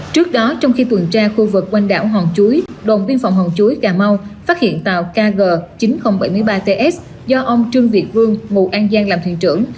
trước đó trong khi tuần tra khu vực quanh đảo hòn chuối đồng biên phòng hòn chuối cà mau phát hiện tàu kg chín nghìn bảy mươi ba ts do ông trương việt vương ngụ an giang làm thuyền trưởng